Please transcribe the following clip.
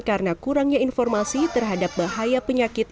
karena kurangnya informasi terhadap bahaya penyakit